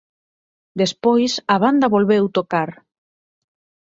Despois, a banda volveu tocar.